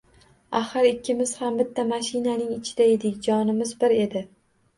Axir ikkimiz ham bitta mashinaning ichida edik, jonimiz bir edi